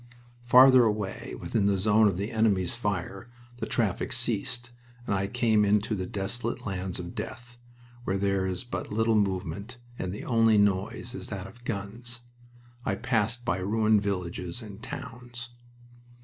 Farther away within the zone of the enemy's fire the traffic ceased, and I came into the desolate lands of death, where there is but little movement, and the only noise is that of guns. I passed by ruined villages and towns.